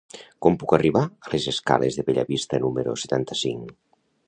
Com puc arribar a les escales de Bellavista número setanta-cinc?